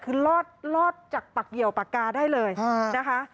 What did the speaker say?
คือรอดจากปากเหี่ยวปากกาได้เลยนะคะ